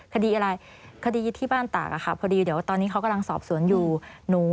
คดีอะไรคดียึดที่บ้านตากอะค่ะพอดีเดี๋ยวตอนนี้เขากำลังสอบสวนอยู่